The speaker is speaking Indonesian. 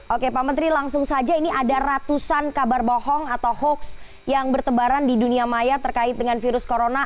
oke pak menteri langsung saja ini ada ratusan kabar bohong atau hoax yang bertebaran di dunia maya terkait dengan virus corona